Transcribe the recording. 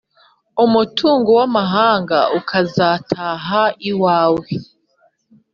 umutungo w’amahanga ukazataha iwawe.